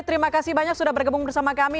terima kasih banyak sudah bergabung bersama kami